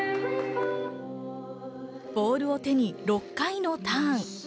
ボールを手に６回のターン。